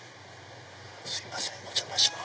すいませんお邪魔します。